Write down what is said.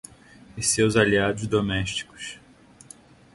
e seus aliados domésticos.